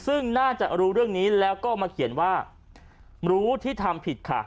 ซึ่งน่าจะรู้เรื่องนี้แล้วก็มาเขียนว่ารู้ที่ทำผิดค่ะ